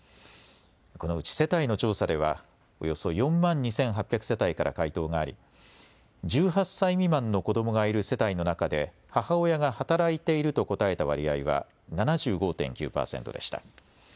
このうち世帯の調査ではおよそ４万２８００世帯から回答があり１８歳未満の子どもがいる世帯の中で母親が働いていると答えた割合は７５．９％でした。